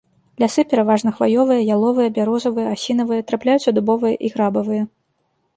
Лясы пераважна хваёвыя, яловыя, бярозавыя, асінавыя, трапляюцца дубовыя і грабавыя.